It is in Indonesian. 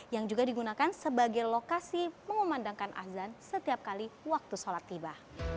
yang juga digunakan sebagai lokasi mengumandangkan azan setiap kali waktu sholat tiba